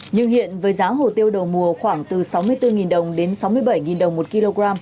nhưng hiện với giá hồ tiêu đầu mùa khoảng từ sáu mươi bốn đồng đến sáu mươi bảy đồng một kg